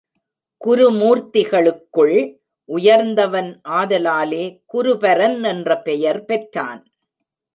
குருமூர்த்திகளுக்குள் உயர்ந்தவன் ஆதலாலே குருபரன் என்ற பெயர் பெற்றான்.